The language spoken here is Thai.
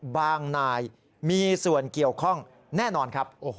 นายมีส่วนเกี่ยวข้องแน่นอนครับ